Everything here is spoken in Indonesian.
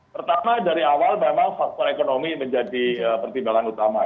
pertama dari awal memang faktor ekonomi menjadi pertimbangan utama